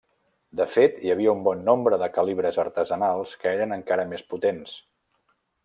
De fet, hi havia un bon nombre de calibres artesanals que eren encara més potents.